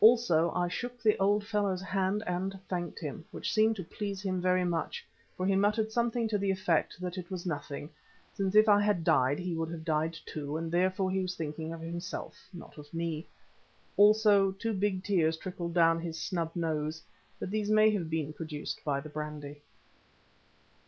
Also I shook the old fellow's hand and thanked him, which seemed to please him very much, for he muttered something to the effect that it was nothing, since if I had died he would have died too, and therefore he was thinking of himself, not of me. Also two big tears trickled down his snub nose, but these may have been produced by the brandy.